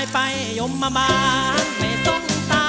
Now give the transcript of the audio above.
ไปแล้ว